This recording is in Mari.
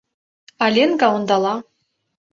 А Ленка ондала.